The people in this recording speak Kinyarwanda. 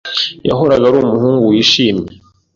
yahoraga ari umuhungu wishimye.